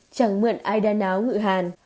chẳng mượn ai đa náo ngự hàn